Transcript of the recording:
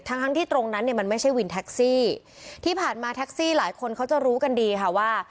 ทั้งทั้งที่ตรงนั้นเนี่ยมันไม่ใช่วินแท็กซี่ที่ผ่านมาแท็กซี่หลายคนเขาจะรู้กันดีค่ะว่า